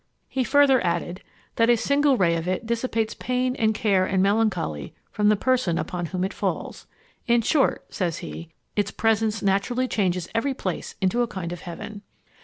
He further added, 'that a single ray of it dissipates pain and care and melancholy from the person on whom it falls. In short,' says he, 'its presence naturally changes every place into a kind of heaven.'